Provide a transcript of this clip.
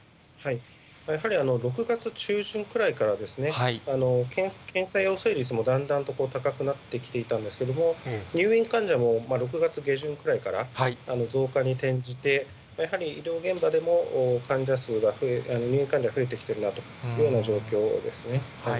やはり６月中旬くらいから、検査陽性率もだんだんと高くなってきていたんですけれども、入院患者も６月下旬くらいから増加に転じて、やはり医療現場でも患者数が、入院患者増えてきているなというような状況ですね。